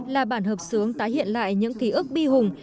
là bản hợp sướng tái hiện lại những ký ức bi hùng